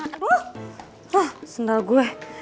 aduh sendal saya